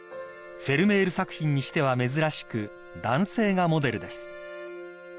［フェルメール作品にしては珍しく男性がモデルです］